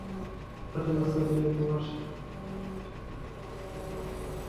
ক্ষতিগ্রস্ত বিজয় কুমার সাহা ঘটনার সুষ্ঠু তদন্ত করে বিচার দাবি করেন।